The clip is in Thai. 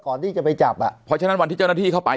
ก่อนที่จะไปจับอ่ะเพราะฉะนั้นวันที่เจ้าหน้าที่เข้าไป